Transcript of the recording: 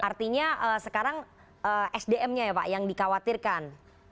artinya sekarang hdm ya pak yang dikhawatirkan